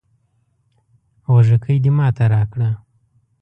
غوږيکې دې ماته راکړه